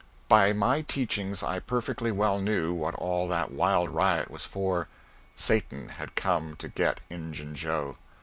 By my teachings I perfectly well knew what all that wild riot was for Satan had come to get Injun Joe.